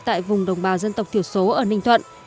tại vùng đồng bào dân tộc thiểu số ở ninh thuận